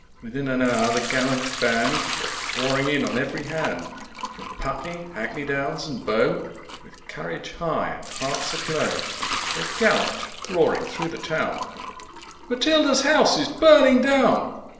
Within an hour the Gallant Band Were pouring in on every hand, From Putney, Hackney Downs and Bow, With Courage high and Hearts a glow They galloped, roaring through the Town, [Pg 24] "Matilda's House is Burning Down!"